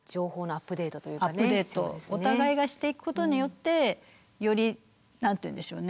アップデートをお互いがしていくことによってより何て言うんでしょうね